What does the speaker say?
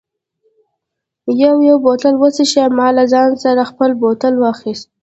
یو یو بوتل و څښه، ما له ځان سره خپل بوتل واخیست.